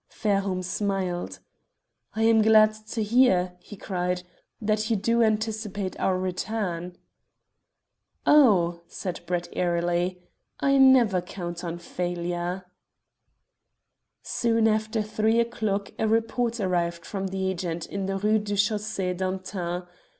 Fairholme smiled. "I am glad to hear," he cried, "that you do anticipate our return." "Oh," said Brett airily, "I never count on failure." Soon after three o'clock a report arrived from the agent in the Rue du Chaussée d'Antin.